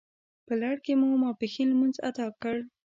په لړ کې مو ماپښین لمونځ اداء کړ.